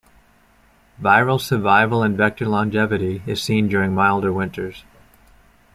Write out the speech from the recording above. Viral survival and vector longevity is seen during milder winters.